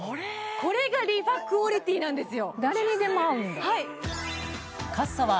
これがＲｅＦａクオリティーなんですよ